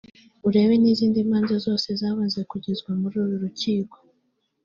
ureba n’izindi manza zose zamaze kugezwa muri uru rukiko